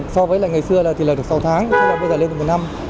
so với ngày xưa là được sáu tháng bây giờ lên một năm